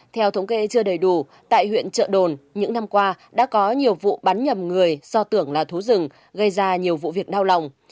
theo thống kê chưa đầy đủ tại huyện trợ đồn những năm qua đã có nhiều vụ bắn nhầm người do tưởng là thú rừng gây ra nhiều vụ việc đau lòng